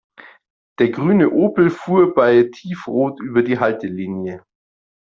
Der grüne Opel fuhr bei Tiefrot über die Haltelinie.